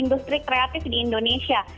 industri kreatif di indonesia